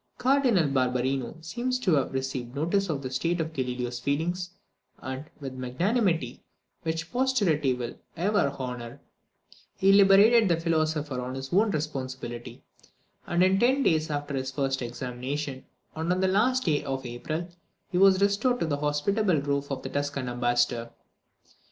Cardinal Barberino seems to have received notice of the state of Galileo's feelings, and, with a magnanimity which posterity will ever honour, he liberated the philosopher on his own responsibility; and in ten days after his first examination, and on the last day of April, he was restored to the hospitable roof of the Tuscan ambassador.